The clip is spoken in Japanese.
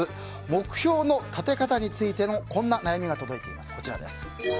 目標の立て方についてのこんな悩みが届いています。